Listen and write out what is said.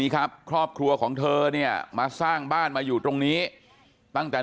ครับครอบครัวของเธอเนี่ยมาสร้างบ้านมาอยู่ตรงนี้ตั้งแต่